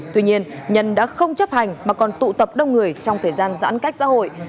tuy nhiên nhân đã không chấp hành mà còn tụ tập đông người trong thời gian giãn cách xã hội